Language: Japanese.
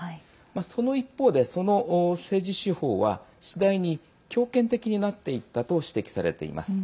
その一方で、その政治手法は次第に強権的になっていったと指摘されています。